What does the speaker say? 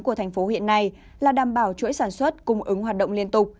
của thành phố hiện nay là đảm bảo chuỗi sản xuất cung ứng hoạt động liên tục